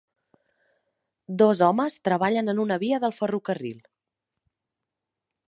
Dos homes treballen en una via del ferrocarril.